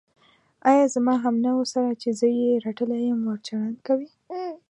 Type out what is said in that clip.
ایا زما همنوعو سره چې زه یې رټلی یم، وړ چلند کوې.